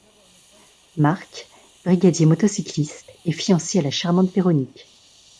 Marc, brigadier-motocycliste, est fiancé à la charmante Véronique.